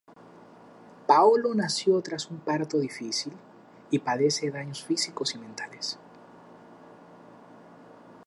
Paolo nació tras un parto difícil y padece daños físicos y mentales.